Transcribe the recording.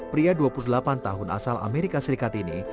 pria dua puluh delapan tahun asal amerika serikat ini